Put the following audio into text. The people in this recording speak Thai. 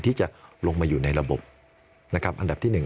ที่จะลงมาอยู่ในระบบนะครับอันดับที่๑